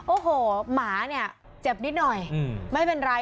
โอ้โหหมาเนี่ยเจ็บนิดหน่อยไม่เป็นไร